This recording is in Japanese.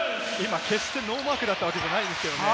決してノーマークだったわけじゃないんですけれどもね。